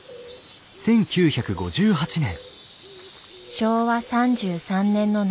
昭和３３年の夏